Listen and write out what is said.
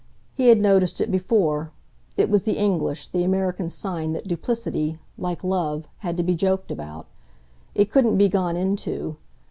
He had noticed it before: it was the English, the American sign that duplicity, like "love," had to be joked about. It couldn't be "gone into."